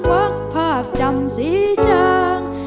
วักภาพจำสีจาง